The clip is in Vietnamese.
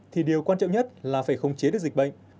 thì điều quan trọng nhất là phải khống chế được dịch bệnh